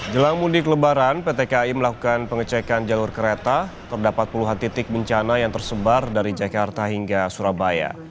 jelang mudik lebaran pt kai melakukan pengecekan jalur kereta terdapat puluhan titik bencana yang tersebar dari jakarta hingga surabaya